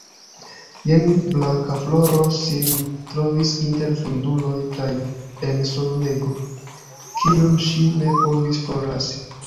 Jen Blankafloro sin trovis inter fremduloj kaj en salonego, kiun ŝi ne povis forlasi.